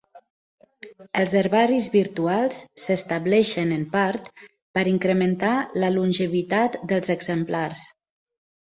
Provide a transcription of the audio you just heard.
Els herbaris virtuals s'estableixen en part per incrementar la longevitat dels exemplars.